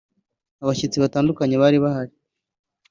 Abashyitsi batandukanye bari bahari